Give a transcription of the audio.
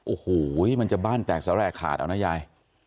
โอ้โหมันจะบ้านแตกแสแรกขาดเอานะยาย